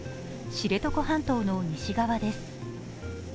知床半島の西側です。